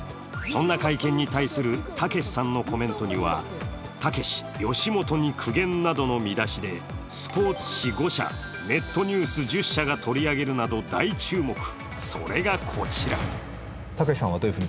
そんな会見に対する、たけしさんのコメントには、「たけし吉本に苦言」などの見出しでスポーツ紙５社、ネットニュース１０社が取り上げるなど大注目。